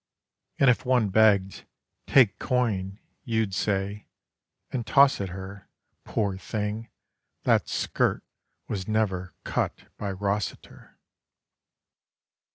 And if one begged: "Take coin," you'd say, "and toss it her. Poor thing! That skirt was never cut by Rossiter."